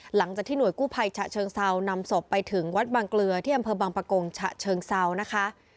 หลังจากที่หน่วยกู้ภัยฉะเชิงเซานำศพไปถึงวัดบางเกลือที่อำเภอบางปะกงฉะเชิงเซานะคะ